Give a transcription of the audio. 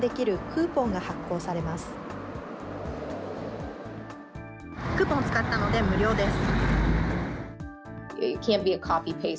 クーポンを使ったので無料です。